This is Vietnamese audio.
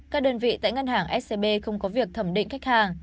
các đơn vị tại ngân hàng scb không có việc thẩm định khách hàng